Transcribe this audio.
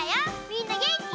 みんなげんき？